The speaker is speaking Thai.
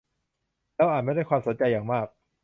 เราอ่านมันด้วยความสนใจอย่างมาก